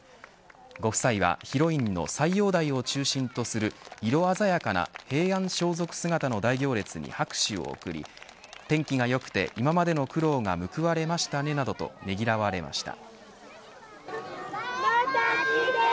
ご夫妻はヒロインの斎王代を中心とする色鮮やかな平安装束姿の大行列に拍手を送り天気が良くて今までの苦労が報われましたね、などとねぎらわれました。